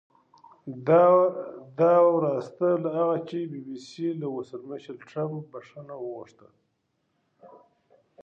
دا وروسته له هغه چې بي بي سي له ولسمشر ټرمپه بښنه وغوښته